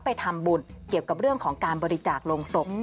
ไปทำบุญเกี่ยวกับเรื่องของการบริจาคลงศพ